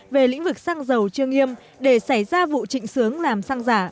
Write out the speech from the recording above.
về lĩnh vực xăng dầu trương nghiêm để xảy ra vụ trịnh sướng làm xăng giả